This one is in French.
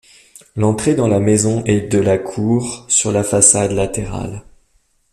L'entrée dans la maison est de la cour, sur la façade latérale.